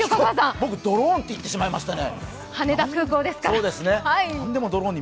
僕、ドローンって言ってしまいましたね。